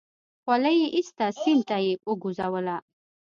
خولۍ يې ايسته سيند ته يې وگوزوله.